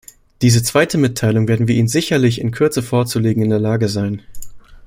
Diese zweite Mitteilung werden wir Ihnen sicherlich in Kürze vorzulegen in der Lage sein.